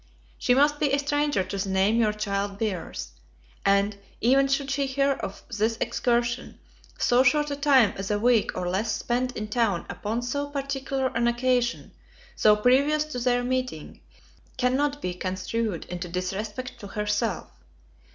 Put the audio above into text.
She must be a stranger to the name your child bears; and, even should she hear of this excursion, so short a time as a week or less spent in town upon so particular an occasion, though previous to their meeting, cannot be construed into disrespect to herself.